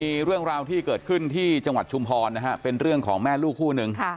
มีเรื่องราวที่เกิดขึ้นที่จังหวัดชุมพรนะฮะเป็นเรื่องของแม่ลูกคู่หนึ่ง